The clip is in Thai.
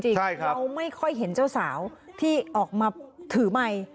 เขาไม่ค่อยเห็นเจ้าสาวที่ออกมาถือไมค์